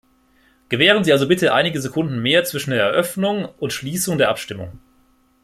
Gewähren Sie also bitte einige Sekunden mehr zwischen der Eröffnung und Schließung der Abstimmung.